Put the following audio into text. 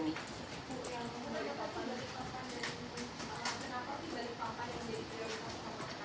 kenapa di balik papan yang jadi grr